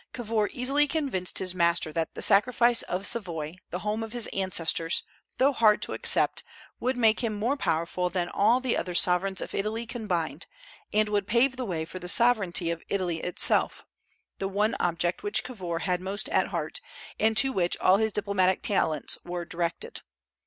Cavour easily convinced his master that the sacrifice of Savoy, the home of his ancestors, though hard to accept, would make him more powerful than all the other sovereigns of Italy combined, and would pave the way for the sovereignty of Italy itself, the one object which Cavour had most at heart, and to which all his diplomatic talents were directed.